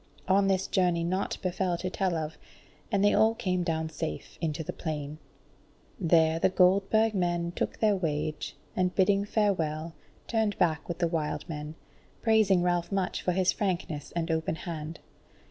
On this journey naught befell to tell of, and they all came down safe into the plain. There the Goldburg men took their wage, and bidding farewell, turned back with the wild men, praising Ralph much for his frankness and open hand.